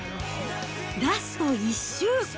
ラスト１周。